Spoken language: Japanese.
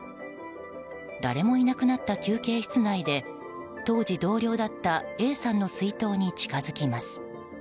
誰もいなくなった休憩室内で当時同僚だったＡさんの水筒に近づきます。